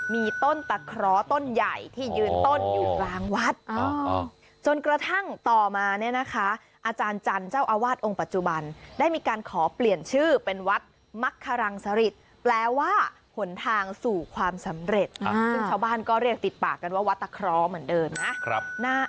มีต้นตะเคราะห์ต้นใหญ่ที่ยืนต้นอยู่กลางวัดจนกระทั่งต่อมาเนี่ยนะคะอาจารย์จันทร์เจ้าอาวาสองค์ปัจจุบันได้มีการขอเปลี่ยนชื่อเป็นวัดมักครังสริตแปลว่าหนทางสู่ความสำเร็จซึ่งชาวบ้านก็เรียกติดปากกันว่าวัดตะเคราะห์เหมือนเดิมนะ